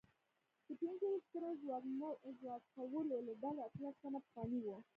د پنځه ویشت سترو ځمکوالو له ډلې اتلس تنه پخواني وو.